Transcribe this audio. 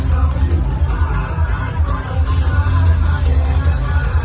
ใครก็ไม่ต้องร้อยใครก็ไม่ต้องร้อย